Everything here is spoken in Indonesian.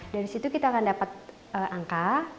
dari situ kita akan dapat angka